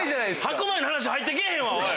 白米の話入ってけえへんわ！